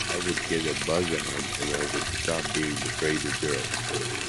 I would get a buzz on and I would stop being afraid of girls.